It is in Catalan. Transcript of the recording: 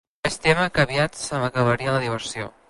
Vaig témer que aviat se m'acabaria la diversió.